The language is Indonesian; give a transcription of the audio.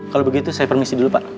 kalau begitu saya permisi dulu pak